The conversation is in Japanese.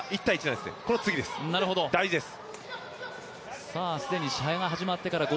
この次が大事です。